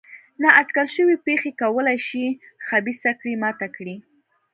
نا اټکل شوې پېښې کولای شي خبیثه کړۍ ماته کړي.